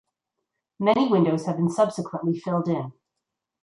Many windows have been subsequently filled in.